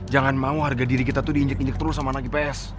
jangan mau harga diri kita tuh diinjek injek terus sama anak ips